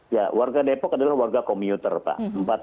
ya warga depok adalah warga komuter pak